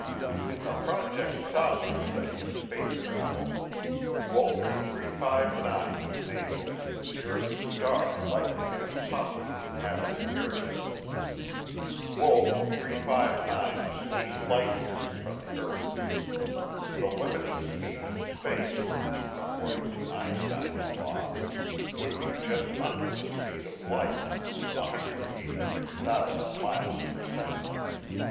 In the Project "Saucer" study of space travel, Wolf 359 was named as the nearest star likely to have possibly inhabited areas. Wolf 359 is eight light years from the earth. The limiting speed in space, according to Einstein's law, would be just under the speed of light—186,000 miles per second.